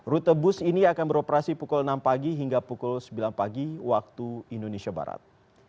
rute bus ini akan beroperasi pukul enam pagi hingga pukul sembilan pagi waktu indonesia barat